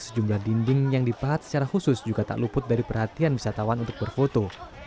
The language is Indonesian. sejumlah dinding yang dipahat secara khusus juga tak luput dari perhatian wisatawan untuk berfoto